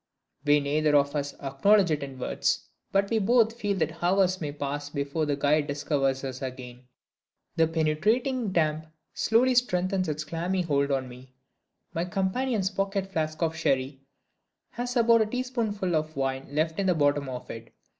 We neither of us acknowledge it in words, but we both feel that hours may pass before the guide discovers us again. The penetrating damp slowly strengthens its clammy hold on me. My companion's pocket flask of sherry has about a teaspoonful of wine left in the bottom of it.